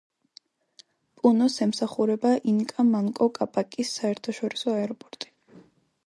პუნოს ემსახურება ინკა მანკო კაპაკის საერთაშორისო აეროპორტი.